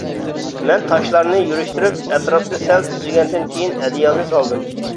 مەن تاشلارنى يۈرۈشتۈرۈپ، ئەتراپنى سەل تۈزىگەندىن كېيىن ئەدىيالنى سالدىم.